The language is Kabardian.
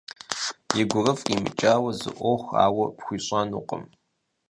И гурыфӏ къимыкӏауэ зы ӏуэху ауэ пхуищӏэнукъым.